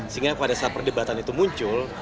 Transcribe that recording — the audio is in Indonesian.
sehingga pada saat perdebatan itu muncul